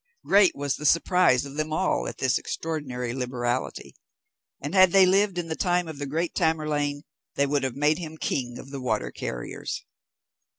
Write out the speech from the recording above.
Great was the surprise of them all at this extraordinary liberality; and had they lived in the time of the great Tamerlane, they would have made him king of the water carriers.